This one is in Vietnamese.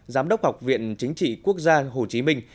giám đốc học viện chính trị quốc gia hồ chí minh